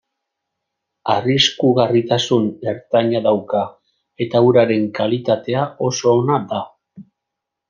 Arriskugarritasun ertaina dauka, eta uraren kalitatea oso ona da.